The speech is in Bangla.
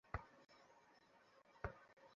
শীতের রাত্রি, আকাশে আধখানি চাঁদ উঠিয়াছে।